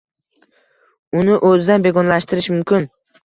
uni o‘zidan begonalashtirish mumkin